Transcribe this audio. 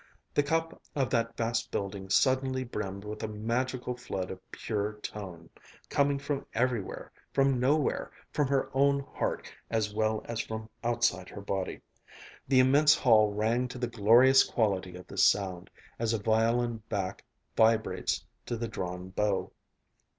The cup of that vast building suddenly brimmed with a magical flood of pure tone, coming from everywhere, from nowhere, from her own heart as well as from outside her body. The immense hall rang to the glorious quality of this sound as a violin back vibrates to the drawn bow.